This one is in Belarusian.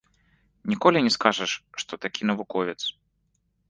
Ніколі не скажаш, што такі навуковец.